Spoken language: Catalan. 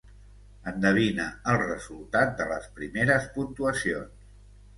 Endevina el resultat de les primeres puntuacions.